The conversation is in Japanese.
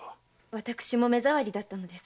私も目障りだったのです。